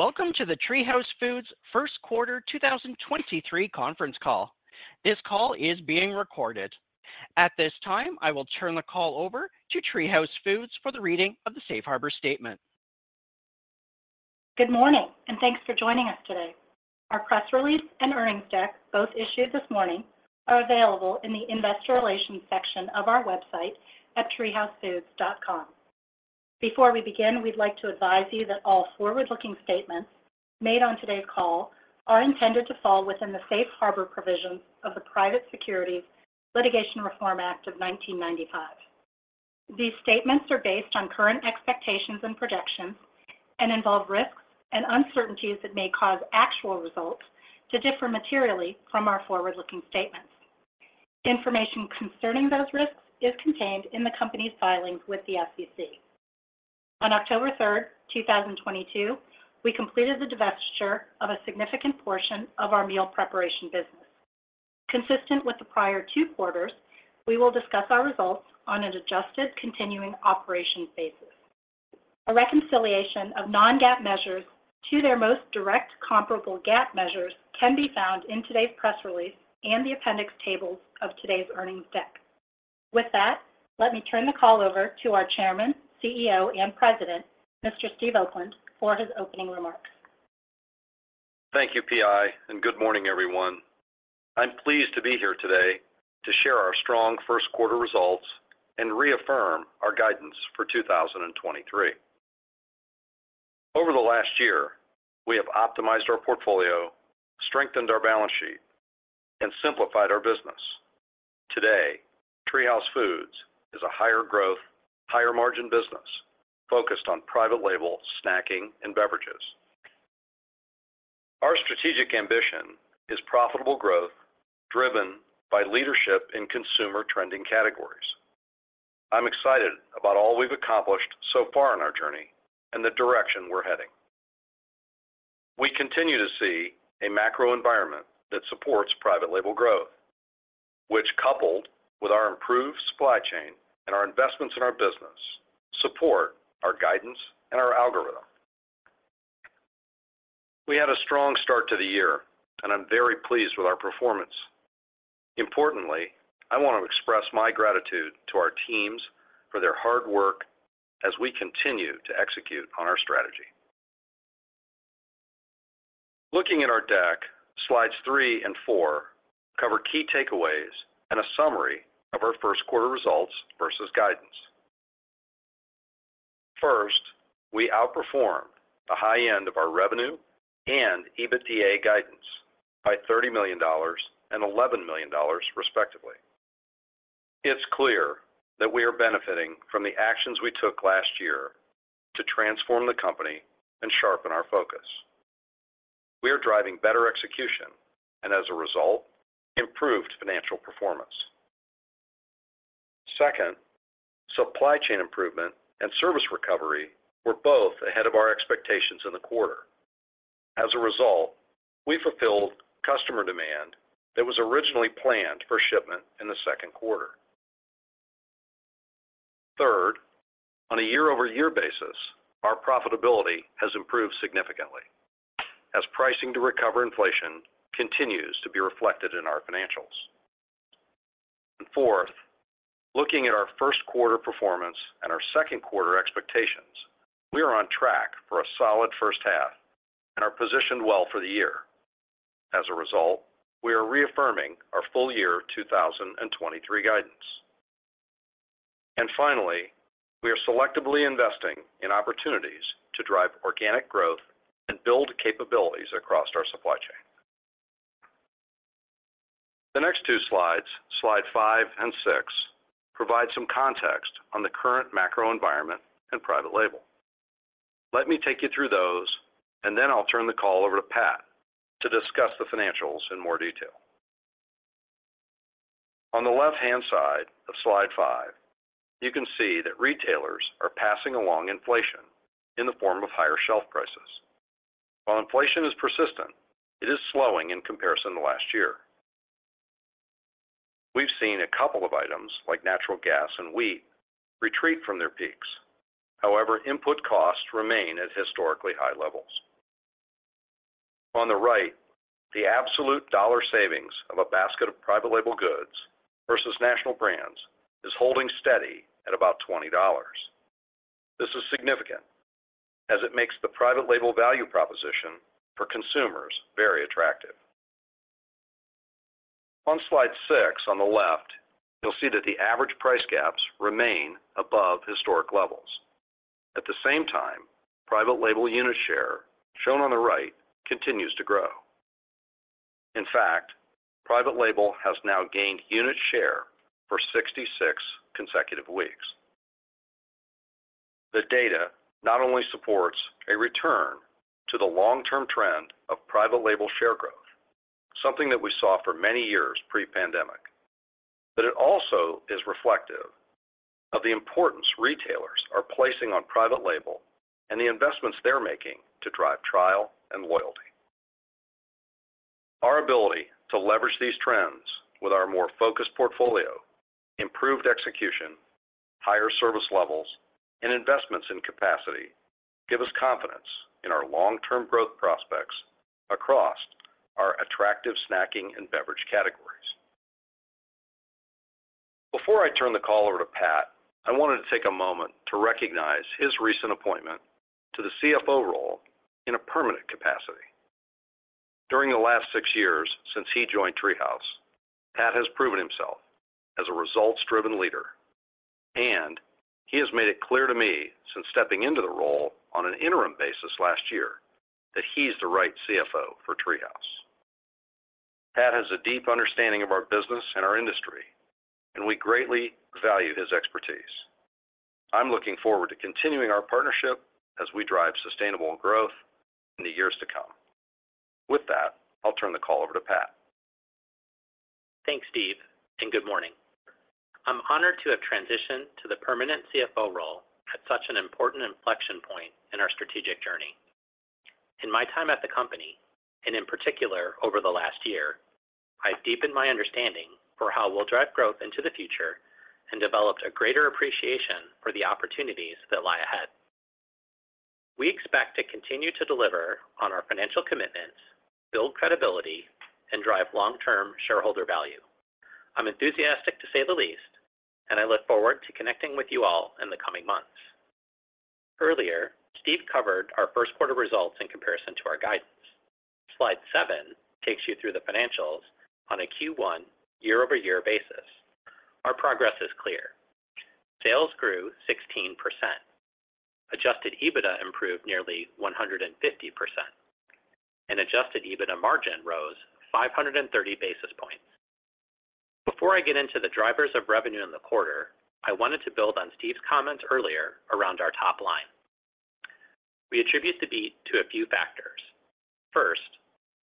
Welcome to the TreeHouse Foods first quarter 2023 conference call. This call is being recorded. At this time, I will turn the call over to TreeHouse Foods for the reading of the safe harbor statement. Good morning, and thanks for joining us today. Our press release and earnings deck, both issued this morning, are available in the investor relations section of our website at treehousefoods.com. Before we begin, we'd like to advise you that all forward-looking statements made on today's call are intended to fall within the safe harbor provisions of the Private Securities Litigation Reform Act of 1995. These statements are based on current expectations and projections and involve risks and uncertainties that may cause actual results to differ materially from our forward-looking statements. Information concerning those risks is contained in the company's filings with the SEC. On October 3, 2022, we completed the divestiture of a significant portion of our meal preparation business. Consistent with the prior two quarters, we will discuss our results on an adjusted continuing operations basis. A reconciliation of non-GAAP measures to their most direct comparable GAAP measures can be found in today's press release and the appendix tables of today's earnings deck. With that, let me turn the call over to our Chairman, CEO, and President, Mr. Steve Oakland, for his opening remarks. Thank you, PI, and good morning, everyone. I'm pleased to be here today to share our strong first quarter results and reaffirm our guidance for 2023. Over the last year, we have optimized our portfolio, strengthened our balance sheet, and simplified our business. Today, TreeHouse Foods is a higher growth, higher margin business focused on private label snacking and beverages. Our strategic ambition is profitable growth driven by leadership in consumer trending categories. I'm excited about all we've accomplished so far in our journey and the direction we're heading. We continue to see a macro environment that supports private label growth, which coupled with our improved supply chain and our investments in our business, support our guidance and our algorithm. We had a strong start to the year, and I'm very pleased with our performance. Importantly, I want to express my gratitude to our teams for their hard work as we continue to execute on our strategy. Looking at our deck, slides 3 and 4 cover key takeaways and a summary of our first quarter results versus guidance. First, we outperformed the high end of our revenue and EBITDA guidance by $30 million and $11 million, respectively. It's clear that we are benefiting from the actions we took last year to transform the company and sharpen our focus. We are driving better execution and, as a result, improved financial performance. Second, supply chain improvement and service recovery were both ahead of our expectations in the quarter. As a result, we fulfilled customer demand that was originally planned for shipment in the second quarter. Third, on a year-over-year basis, our profitability has improved significantly as pricing to recover inflation continues to be reflected in our financials. Fourth, looking at our first quarter performance and our second quarter expectations, we are on track for a solid first half and are positioned well for the year. As a result, we are reaffirming our full year 2023 guidance. Finally, we are selectively investing in opportunities to drive organic growth and build capabilities across our supply chain. The next two slides, slide 5 and 6, provide some context on the current macro environment and private label. Let me take you through those, and then I'll turn the call over to Pat to discuss the financials in more detail. On the left-hand side of slide 5, you can see that retailers are passing along inflation in the form of higher shelf prices. While inflation is persistent, it is slowing in comparison to last year. We've seen a couple of items, like natural gas and wheat, retreat from their peaks. Input costs remain at historically high levels. On the right, the absolute dollar savings of a basket of private label goods versus national brands is holding steady at about $20. This is significant as it makes the private label value proposition for consumers very attractive. On slide 6, on the left, you'll see that the average price gaps remain above historic levels. At the same time, private label unit share, shown on the right, continues to grow. Private label has now gained unit share for 66 consecutive weeks. The data not only supports a return to the long-term trend of private label share growth, something that we saw for many years pre-pandemic. It also is reflective of the importance retailers are placing on private label and the investments they're making to drive trial and loyalty. Our ability to leverage these trends with our more focused portfolio, improved execution, higher service levels and investments in capacity give us confidence in our long-term growth prospects across our attractive snacking and beverage categories. Before I turn the call over to Pat, I wanted to take a moment to recognize his recent appointment to the CFO role in a permanent capacity. During the last six years since he joined TreeHouse, Pat has proven himself as a results-driven leader, and he has made it clear to me since stepping into the role on an interim basis last year, that he's the right CFO for TreeHouse. Pat has a deep understanding of our business and our industry, and we greatly value his expertise. I'm looking forward to continuing our partnership as we drive sustainable growth in the years to come. With that, I'll turn the call over to Pat. Thanks, Steve. Good morning. I'm honored to have transitioned to the permanent CFO role at such an important inflection point in our strategic journey. In my time at the company, and in particular over the last year, I've deepened my understanding for how we'll drive growth into the future and developed a greater appreciation for the opportunities that lie ahead. We expect to continue to deliver on our financial commitments, build credibility and drive long-term shareholder value. I'm enthusiastic, to say the least, and I look forward to connecting with you all in the coming months. Earlier, Steve covered our first quarter results in comparison to our guidance. Slide seven takes you through the financials on a Q1 year-over-year basis. Our progress is clear. Sales grew 16%. Adjusted EBITDA improved nearly 150%, and adjusted EBITDA margin rose 530 basis points. Before I get into the drivers of revenue in the quarter, I wanted to build on Steve's comments earlier around our top line. We attribute the beat to a few factors. First,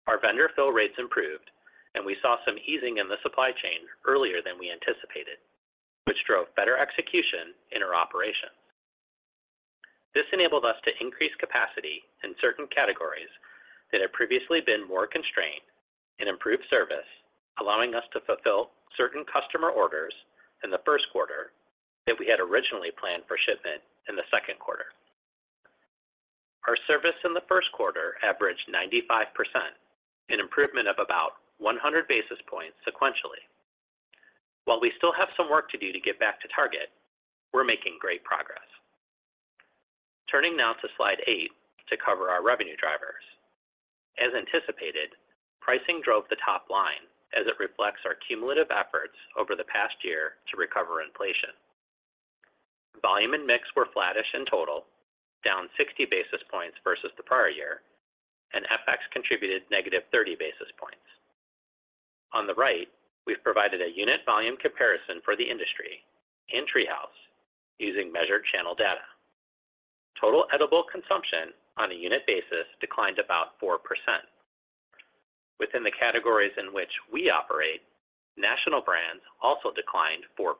our vendor fill rates improved and we saw some easing in the supply chain earlier than we anticipated, which drove better execution in our operations. This enabled us to increase capacity in certain categories that had previously been more constrained and improve service, allowing us to fulfill certain customer orders in the first quarter that we had originally planned for shipment in the second quarter. Our service in the first quarter averaged 95%, an improvement of about 100 basis points sequentially. While we still have some work to do to get back to target, we're making great progress. Turning now to slide eight to cover our revenue drivers. As anticipated, pricing drove the top line as it reflects our cumulative efforts over the past year to recover inflation. Volume and mix were flattish in total, down 60 basis points versus the prior year. FX contributed negative 30 basis points. On the right, we've provided a unit volume comparison for the industry in TreeHouse using measured channel data. Total edible consumption on a unit basis declined about 4%. Within the categories in which we operate, national brands also declined 4%.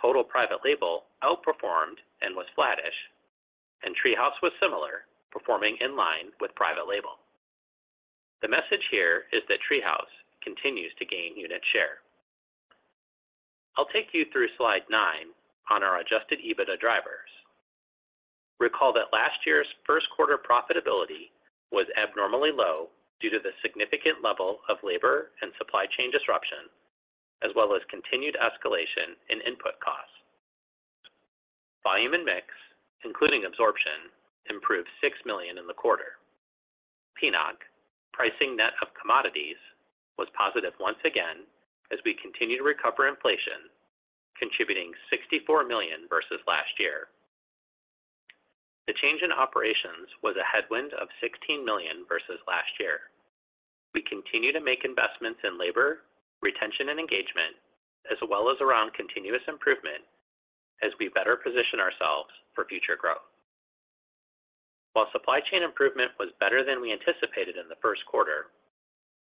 Total private label outperformed and was flattish. TreeHouse was similar, performing in line with private label. The message here is that TreeHouse continues to gain unit share. I'll take you through slide 9 on our adjusted EBITDA drivers. Recall that last year's first quarter profitability was abnormally low due to the significant level of labor and supply chain disruption, as well as continued escalation in input costs. Volume and mix, including absorption, improved $6 million in the quarter. PNOC, pricing net of commodities, was positive once again as we continue to recover inflation, contributing $64 million versus last year. The change in operations was a headwind of $16 million versus last year. We continue to make investments in labor, retention and engagement, as well as around continuous improvement as we better position ourselves for future growth. While supply chain improvement was better than we anticipated in the first quarter,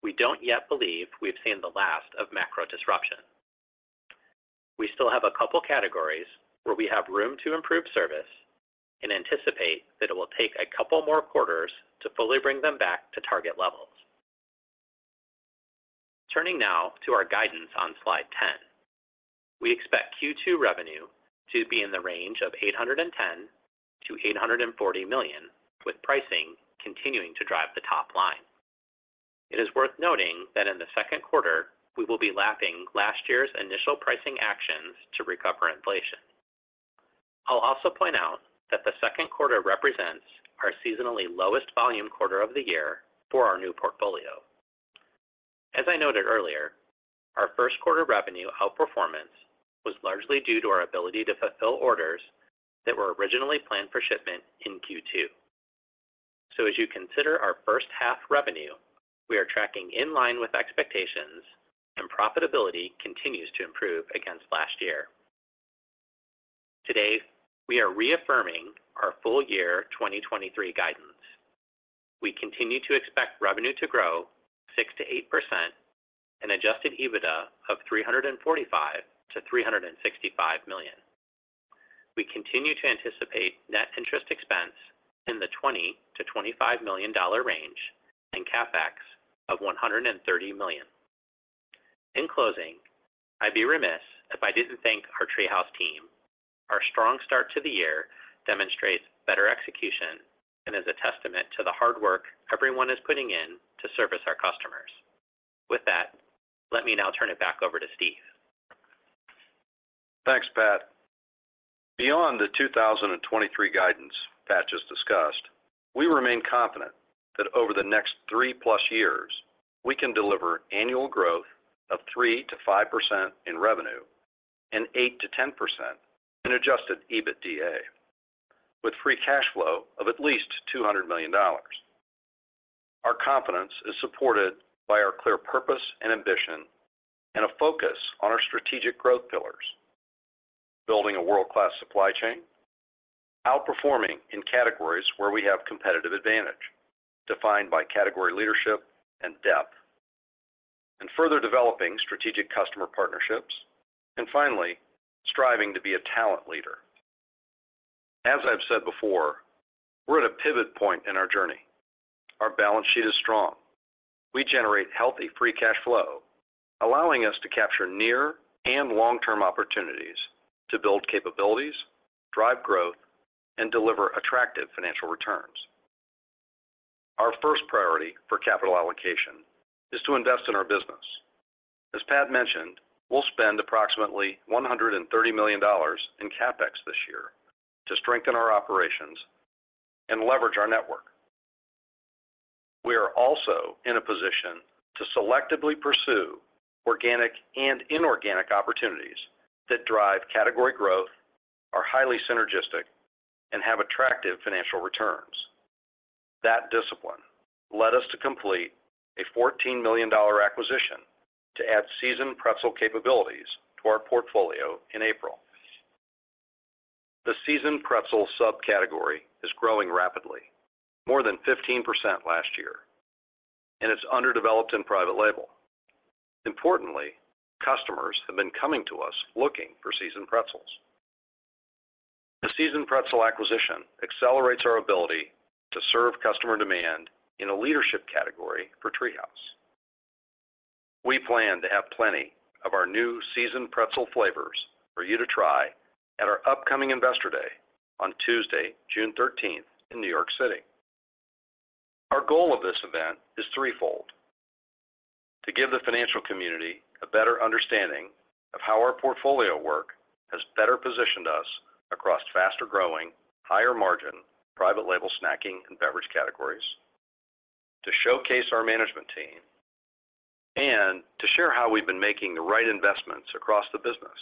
we don't yet believe we've seen the last of macro disruption. We still have a couple categories where we have room to improve service and anticipate that it will take a couple more quarters to fully bring them back to target levels. Turning now to our guidance on slide 10. We expect Q2 revenue to be in the range of $810 million-$840 million, with pricing continuing to drive the top line. It is worth noting that in the second quarter, we will be lapping last year's initial pricing actions to recover inflation. I'll also point out that the second quarter represents our seasonally lowest volume quarter of the year for our new portfolio. As I noted earlier, our first quarter revenue outperformance was largely due to our ability to fulfill orders that were originally planned for shipment in Q2. As you consider our first half revenue, we are tracking in line with expectations and profitability continues to improve against last year. Today, we are reaffirming our full year 2023 guidance. We continue to expect revenue to grow 6%-8% and adjusted EBITDA of $345 million-$365 million. We continue to anticipate net interest expense in the $20 million-$25 million range and CapEx of $130 million. In closing, I'd be remiss if I didn't thank our TreeHouse team. Our strong start to the year demonstrates better execution and is a testament to the hard work everyone is putting in to service our customers. With that, let me now turn it back over to Steve. Thanks, Pat. Beyond the 2023 guidance Pat just discussed, we remain confident that over the next 3-plus years, we can deliver annual growth of 3%-5% in revenue and 8%-10% in adjusted EBITDA, with free cash flow of at least $200 million. Our confidence is supported by our clear purpose and ambition and a focus on our strategic growth pillars, building a world-class supply chain, outperforming in categories where we have competitive advantage defined by category leadership and depth, and further developing strategic customer partnerships, and finally, striving to be a talent leader. As I've said before, we're at a pivot point in our journey. Our balance sheet is strong. We generate healthy free cash flow, allowing us to capture near and long-term opportunities to build capabilities, drive growth, and deliver attractive financial returns. Our first priority for capital allocation is to invest in our business. As Pat mentioned, we'll spend approximately $130 million in CapEx this year to strengthen our operations and leverage our network. We are also in a position to selectively pursue organic and inorganic opportunities that drive category growth, are highly synergistic, and have attractive financial returns. That discipline led us to complete a $14 million acquisition to add seasoned pretzel capabilities to our portfolio in April. The seasoned pretzel subcategory is growing rapidly, more than 15% last year, and it's underdeveloped in private label. Importantly, customers have been coming to us looking for seasoned pretzels. The seasoned pretzel acquisition accelerates our ability to serve customer demand in a leadership category for TreeHouse. We plan to have plenty of our new seasoned pretzel flavors for you to try at our upcoming Investor Day on Tuesday, June thirteenth, in New York City. Our goal of this event is threefold: to give the financial community a better understanding of how our portfolio work has better positioned us across faster-growing, higher-margin private label snacking and beverage categories, to showcase our management team, and to share how we've been making the right investments across the business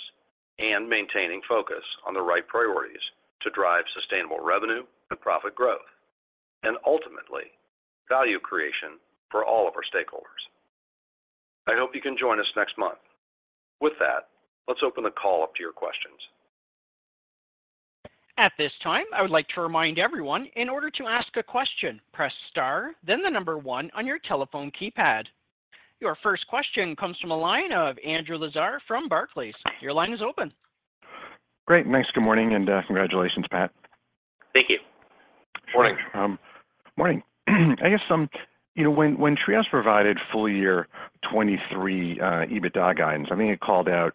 and maintaining focus on the right priorities to drive sustainable revenue and profit growth, and ultimately, value creation for all of our stakeholders. I hope you can join us next month. With that, let's open the call up to your questions. At this time, I would like to remind everyone in order to ask a question, press star, then the number one on your telephone keypad. Your first question comes from a line of Andrew Lazar from Barclays. Your line is open. Great. Thanks. Good morning, and congratulations, Pat. Thank you. Morning. When TreeHouse provided full year 2023 EBITDA guidance, I think it called out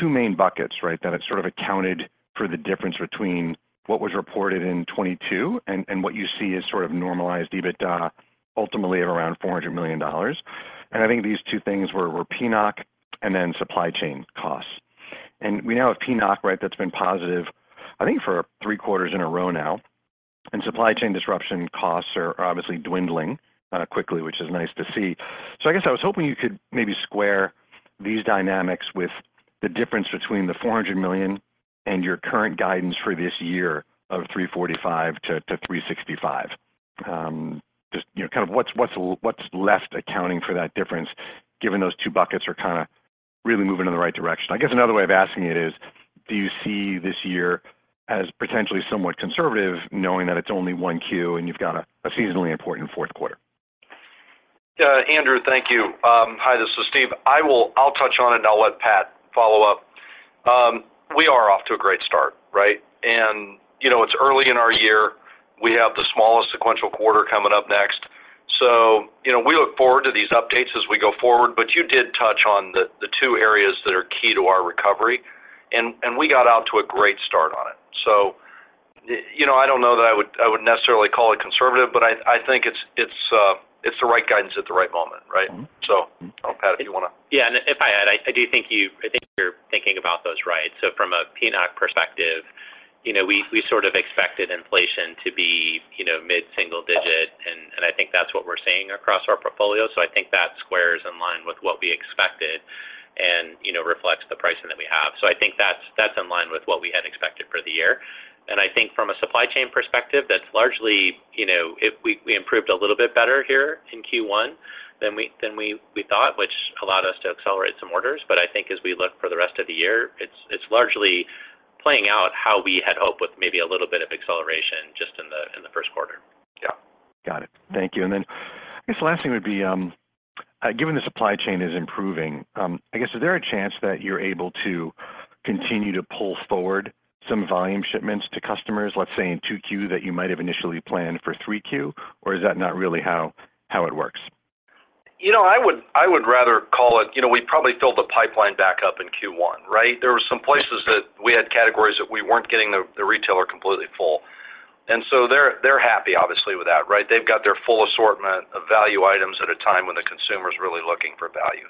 two main buckets, right? That it sort of accounted for the difference between what was reported in 2022 and what you see as normalized EBITDA, ultimately at around $400 million. I think these two things were PNOC and then supply chain costs. We now have PNOC, right, that's been positive, I think for 3 quarters in a row now. Supply chain disruption costs are obviously dwindling quickly, which is nice to see. I guess I was hoping you could maybe square these dynamics with the difference between the $400 million and your current guidance for this year of $345 million-$365 million. Just, you know, kind of what's left accounting for that difference given those two buckets are kinda really moving in the right direction. I guess another way of asking it is, do you see this year as potentially somewhat conservative knowing that it's only 1 Q and you've got a seasonally important fourth quarter? Andrew, thank you. Hi, this is Steve. I'll touch on it and I'll let Pat follow up. We are off to a great start, right? You know, it's early in our year. We have the smallest sequential quarter coming up next. You know, we look forward to these updates as we go forward, but you did touch on the two areas that are key to our recovery and we got out to a great start on it. I don't know that I would necessarily call it conservative, but I think it's the right guidance at the right moment, right? Mm-hmm. I don't know, Pat, if you wanna-. Yeah. If I add, I do think I think you're thinking about those right. From a PNOC perspective, you know, we sort of expected inflation to be, you know, mid-single digit and I think that's what we're seeing across our portfolio. I think that squares in line with what we expected and, you know, reflects the pricing that we have. I think that's in line with what we had expected for the year. I think from a supply chain perspective, that's largely, you know, if we improved a little bit better here in Q1 than we thought, which allowed us to accelerate some orders. I think as we look for the rest of the year, it's largely playing out how we had hoped with maybe a little bit of acceleration just in the first quarter. Got it. Thank you. I guess the last thing would be, given the supply chain is improving, I guess, is there a chance that you're able to continue to pull forward some volume shipments to customers, let's say in 2Q that you might have initially planned for 3Q? Or is that not really how it works? I would rather call it. You know, we probably filled the pipeline back up in Q1, right? There were some places that we had categories that we weren't getting the retailer completely full. They're happy obviously with that. They've got their full assortment of value items at a time when the consumer's really looking for value.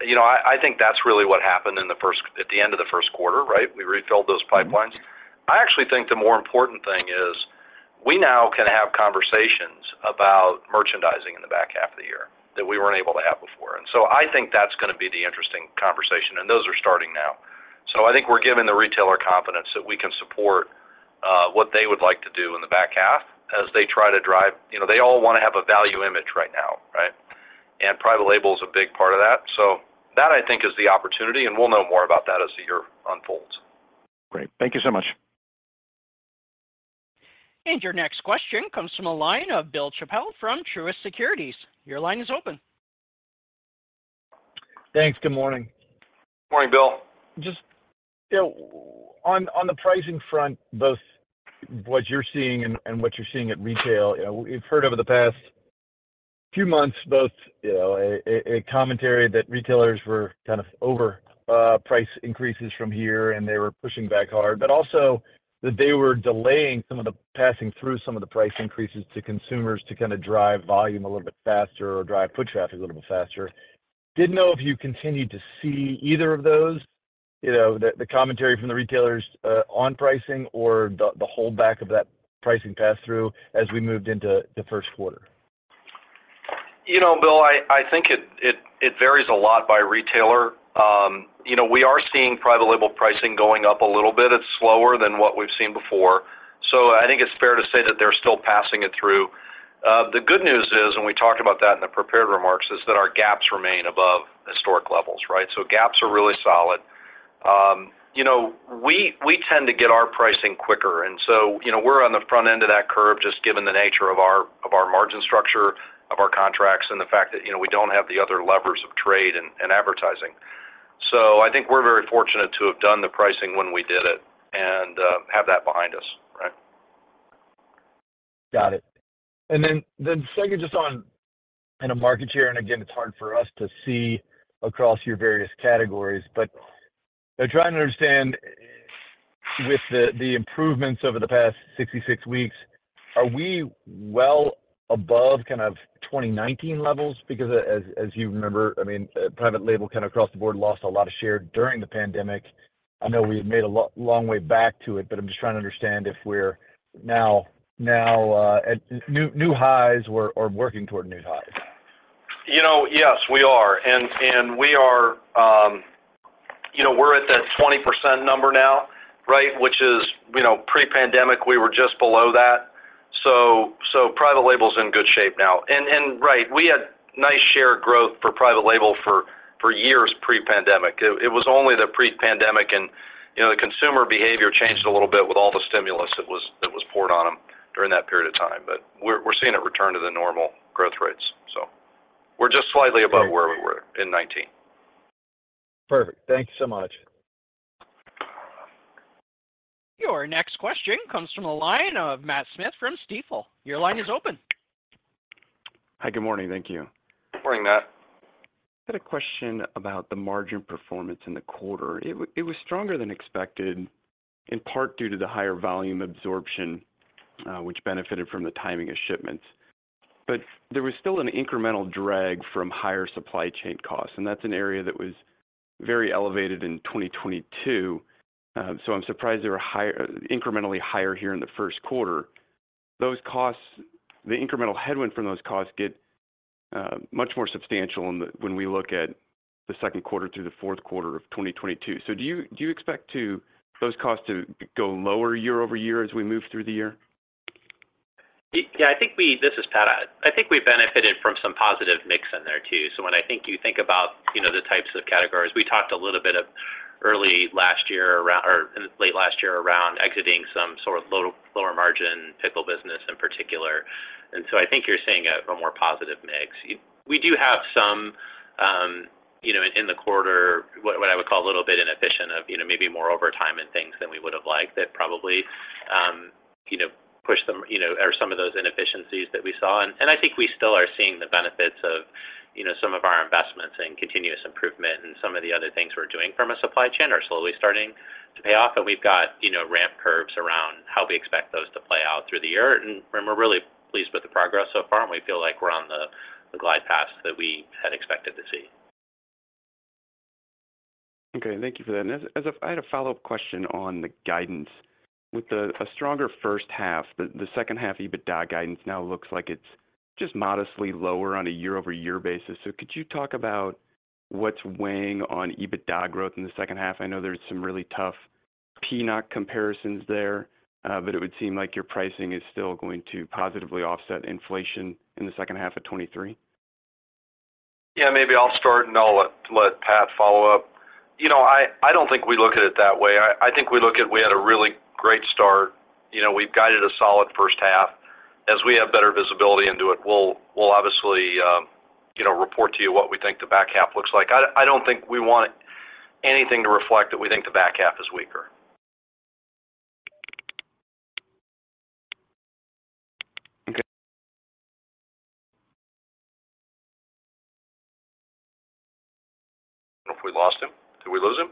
I think that's really what happened at the end of the first quarter. We refilled those pipelines. I actually think the more important thing is we now can have conversations about merchandising in the back half of the year that we weren't able to have before. I think that's gonna be the interesting conversation, and those are starting now. I think we're giving the retailer confidence that we can support what they would like to do in the back half as they try to drive. You know, they all want to have a value image right now, right? Private label is a big part of that. That, I think is the opportunity, and we'll know more about that as the year unfolds. Great. Thank you so much. Your next question comes from the line of Bill Chappell from Truist Securities. Your line is open. Thanks. Good morning. Morning, Bill. Just, on the pricing front, both what you're seeing and what you're seeing at retail, you know, we've heard over the past few months both a commentary that retailers were kind of over price increases from here, and they were pushing back hard, but also that they were delaying passing through some of the price increases to consumers to kind of drive volume a little bit faster or drive foot traffic a little bit faster. Didn't know if you continued to see either of those the commentary from the retailers on pricing or the hold back of that pricing pass through as we moved into the first quarter. You know, Bill, I think it varies a lot by retailer. You know, we are seeing private label pricing going up a little bit. It's slower than what we've seen before, so I think it's fair to say that they're still passing it through. The good news is, and we talked about that in the prepared remarks, is that our gaps remain above historic levels, right? Gaps are really solid. You know, we tend to get our pricing quicker, and so, you know, we're on the front end of that curve just given the nature of our margin structure, of our contracts, and the fact that, you know, we don't have the other levers of trade and advertising. I think we're very fortunate to have done the pricing when we did it and have that behind us, right? Got it. Second, just on, in a market share, and again, it's hard for us to see across your various categories, but I'm trying to understand with the improvements over the past 66 weeks, are we well above kind of 2019 levels? As you remember, I mean, private label kind of across the board lost a lot of share during the pandemic. I know we've made a long way back to it. I'm just trying to understand if we're now at new highs or working toward new highs. You know, yes, we are. We are, you know, we're at that 20% number now, right? Which is, you know, pre-pandemic, we were just below that. Private label's in good shape now. Right, we had nice share growth for private label for years pre-pandemic. It was only the pre-pandemic and, you know, the consumer behavior changed a little bit with all the stimulus that was poured on them during that period of time. We're seeing it return to the normal growth rates. We're just slightly above where we were in 2019. Perfect. Thank you so much. Your next question comes from the line of Matt Smith from Stifel. Your line is open. Hi. Good morning. Thank you. Morning, Matt. I had a question about the margin performance in the quarter. It was stronger than expected, in part due to the higher volume absorption, which benefited from the timing of shipments. There was still an incremental drag from higher supply chain costs, and that's an area that was very elevated in 2022. I'm surprised they were higher-- incrementally higher here in the first quarter. Those costs, the incremental headwind from those costs get much more substantial in the-- when we look at the second quarter through the fourth quarter of 2022. Do you expect those costs to go lower year over year as we move through the year? Yeah, I think we. This is Pat. I think we benefited from some positive mix in there too. When I think you think about, you know, the types of categories, we talked a little bit of early last year around or late last year around exiting some lower margin pickle business in particular. I think you're seeing a more positive mix. We do have some in the quarter what I would call a little bit inefficient of, you know, maybe more overtime and things than we would've liked that probably, push them or some of those inefficiencies that we saw. I think we still are seeing the benefits of some of our investments in continuous improvement and some of the other things we're doing from a supply chain are slowly starting to pay off. We've got, you know, ramp curves around how we expect those to play out through the year. We're really pleased with the progress so far, and we feel like we're on the glide path that we had expected to see. Okay. Thank you for that. I had a follow-up question on the guidance. With a stronger first half, the second half EBITDA guidance now looks like it's just modestly lower on a year-over-year basis. Could you talk about what's weighing on EBITDA growth in the second half? I know there's some really tough PNOC comparisons there, but it would seem like your pricing is still going to positively offset inflation in the second half of 2023. Yeah, maybe I'll start, and I'll let Pat follow up. You know, I don't think we look at it that way. I think we look at we had a really great start. You know, we've guided a solid first half. As we have better visibility into it, we'll obviously, you know, report to you what we think the back half looks like. I don't think we want anything to reflect that we think the back half is weaker. Okay. I don't know if we lost him. Did we lose him?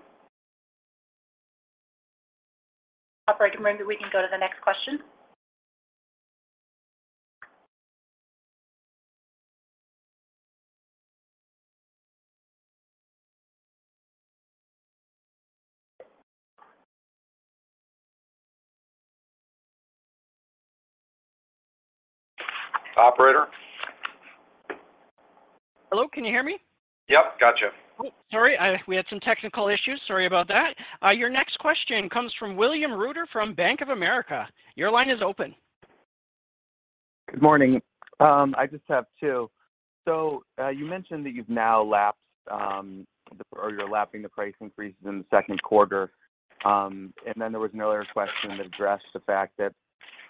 Operator, maybe we can go to the next question. Operator? Hello, can you hear me? Yep, gotcha. Sorry, we had some technical issues. Sorry about that. Your next question comes from William Reuter from Bank of America. Your line is open. Good morning. I just have two. You mentioned that you've now lapsed, or you're lapping the price increases in the second quarter, and then there was another question that addressed the fact that,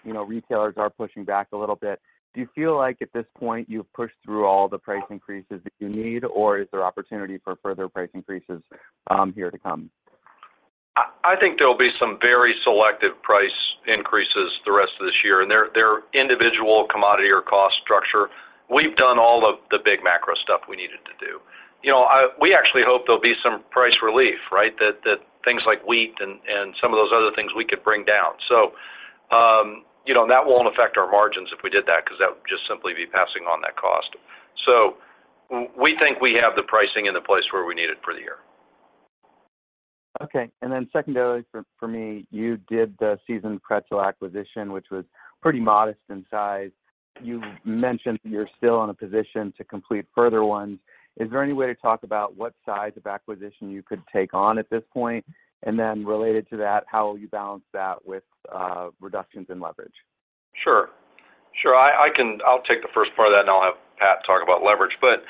you know, retailers are pushing back a little bit. Do you feel like at this point you've pushed through all the price increases that you need, or is there opportunity for further price increases, here to come? I think there'll be some very selective price increases the rest of this year, and they're individual commodity or cost structure. We've done all of the big macro stuff we needed to do. You know, we actually hope there'll be some price relief. That things like wheat and some of those other things we could bring down. You know, and that won't affect our margins if we did that because that would just simply be passing on that cost. We think we have the pricing in the place where we need it for the year. Okay. Secondarily for me, you did the Seasoned Pretzel acquisition, which was pretty modest in size. You mentioned you're still in a position to complete further ones. Is there any way to talk about what size of acquisition you could take on at this point? Related to that, how will you balance that with reductions in leverage? Sure. Sure. I'll take the first part of that, and I'll have Pat talk about leverage. Look,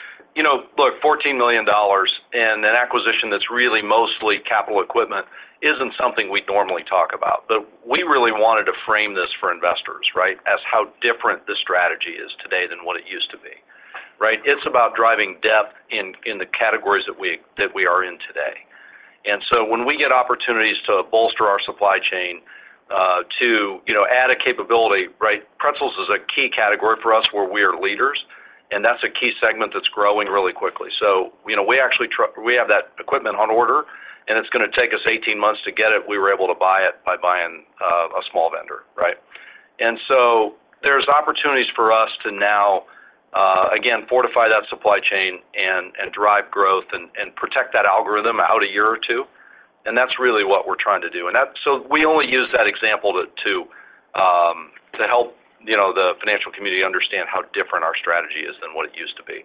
$14 million in an acquisition that's really mostly capital equipment isn't something we normally talk about. We really wanted to frame this for investors. As how different this strategy is today than what it used to be, right? It's about driving depth in the categories that we, that we are in today. When we get opportunities to bolster our supply chain to add a capability. Pretzels is a key category for us where we are leaders, and that's a key segment that's growing really quickly. We actually We have that equipment on order, and it's gonna take us 18 months to get it. We were able to buy it by buying a small vendor, right? There's opportunities for us to now again, fortify that supply chain and drive growth and protect that algorithm out a year or two. That's really what we're trying to do. We only use that example to help, you know, the financial community understand how different our strategy is than what it used to be.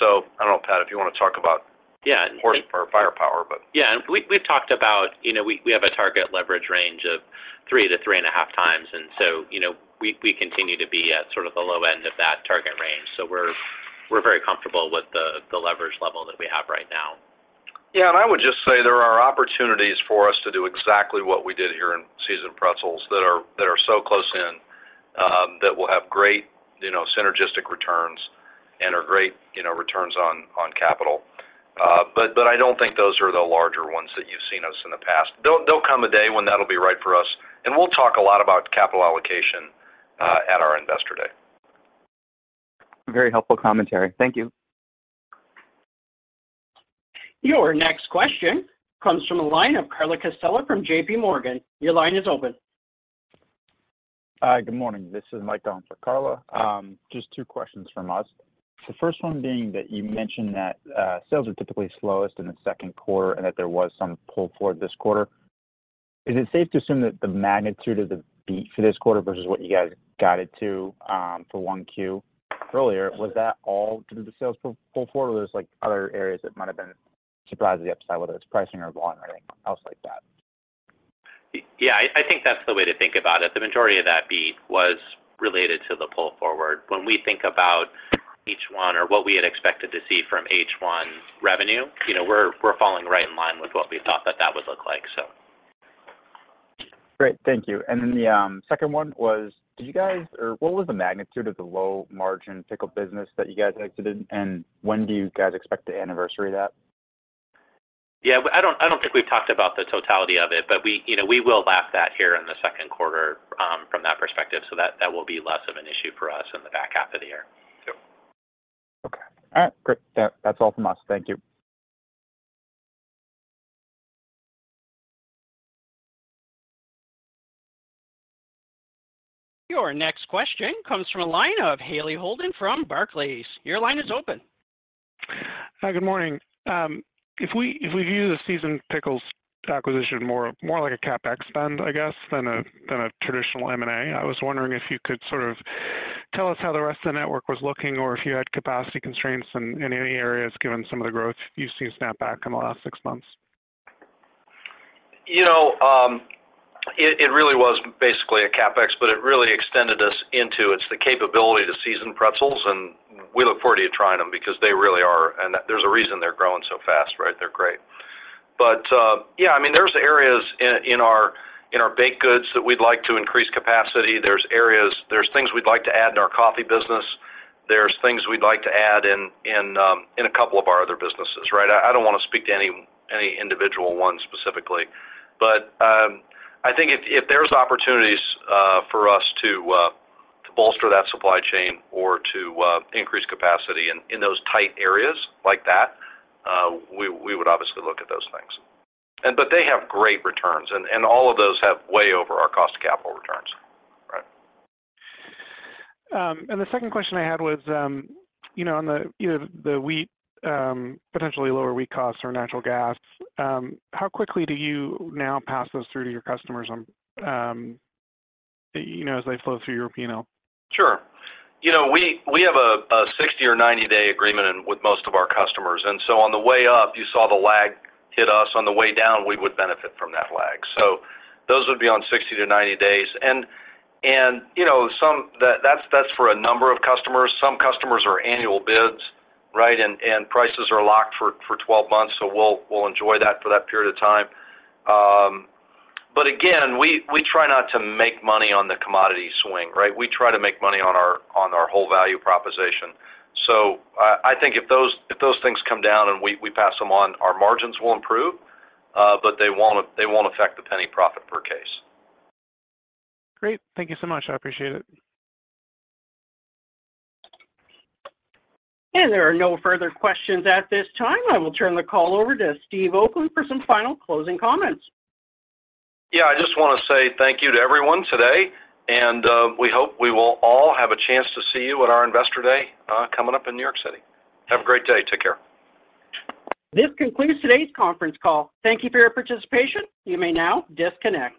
I don't know, Pat, if you wanna talk about. Yeah. -port or firepower, but... Yeah. We've talked about, you know, we have a target leverage range of 3x-3.5x. You know, we continue to be at sort of the low end of that target range. We're very comfortable with the leverage level that we have right now. Yeah. I would just say there are opportunities for us to do exactly what we did here in seasoned pretzels that are so close in, that will have great, you know, synergistic returns and are great, you know, returns on capital. I don't think those are the larger ones that you've seen us in the past. There'll come a day when that'll be right for us, and we'll talk a lot about capital allocation at our investor day. Very helpful commentary. Thank you. Your next question comes from the line of Carla Casella from J.P. Morgan. Your line is open. Hi. Good morning. This is Mike on for Carla. Just two questions from us. The first one being that you mentioned that sales are typically slowest in the second quarter, and that there was some pull forward this quarter. Is it safe to assume that the magnitude of the beat for this quarter versus what you guys guided to for one Q earlier, was that all due to the sales pull forward, or was like other areas that might have been surprisingly upside, whether it's pricing or volume or anything else like that? Yeah. I think that's the way to think about it. The majority of that beat was related to the pull forward. When we think about each H1 or what we had expected to see from H1 revenue, you know, we're falling right in line with what we thought that that would look like, so. Great. Thank you. The second one was, what was the magnitude of the low margin pickle business that you guys exited, and when do you guys expect to anniversary that? Yeah. I don't think we've talked about the totality of it, but we, you know, we will lap that here in the second quarter, from that perspective, so that will be less of an issue for us in the back half of the year, so... Okay. All right, great. That, that's all from us. Thank you. Your next question comes from a line of Hale Holden from Barclays. Your line is open. Hi. Good morning. If we, if we view the seasoned pretzels acquisition more, more like a CapEx spend, I guess, than a, than a traditional M&A, I was wondering if you could sort of tell us how the rest of the network was looking or if you had capacity constraints in any areas given some of the growth you've seen snap back in the last 6 months. You know, it really was basically a CapEx, but it really extended us into. It's the capability to season pretzels, and we look forward to you trying them because they really are. There's a reason they're growing so fast, right? They're great. There's areas in our baked goods that we'd like to increase capacity. There's things we'd like to add in our coffee business. There's things we'd like to add in a couple of our other businesses. I don't wanna speak to any individual one specifically. I think if there's opportunities for us to bolster that supply chain or to increase capacity in those tight areas like that, we would obviously look at those things. But they have great returns, and all of those have way over our cost of capital returns. Right. The second question I had was, you know, on the, you know, the wheat, potentially lower wheat costs or natural gas, how quickly do you now pass those through to your customers on, you know, as they flow through you know? Sure. You know, we have a 60 or 90-day agreement with most of our customers. On the way up, you saw the lag hit us. On the way down, we would benefit from that lag. Those would be on 60 to 90 days. You know, that's for a number of customers. Some customers are annual bids, right? Prices are locked for 12 months, we'll enjoy that for that period of time. Again, we try not to make money on the commodity swing, right? We try to make money on our whole value proposition. I think if those things come down and we pass them on, our margins will improve, they won't affect the penny profit per case. Great. Thank you so much. I appreciate it. There are no further questions at this time. I will turn the call over to Steve Oakland for some final closing comments. Yeah. I just wanna say thank you to everyone today, and we hope we will all have a chance to see you at our Investor Day coming up in New York City. Have a great day. Take care. This concludes today's conference call. Thank you for your participation. You may now disconnect.